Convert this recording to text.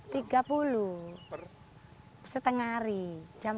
tiga puluh per setengah hari jam dua belas